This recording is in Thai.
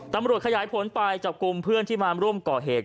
ตำรวจขยายผลไปจับกลุ่มเพื่อนที่มาร่วมก่อเหตุ